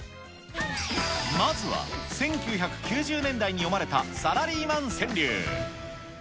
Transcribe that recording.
まずは、１９９０年代に詠まれたサラリーマン川柳。